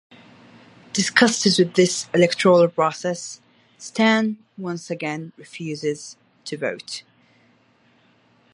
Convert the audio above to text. Disgusted with this electoral process, Stan once again refuses to vote.